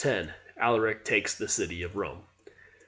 Alaric takes the city of Rome.